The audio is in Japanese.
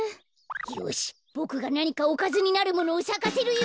よしボクがなにかおかずになるものをさかせるよ！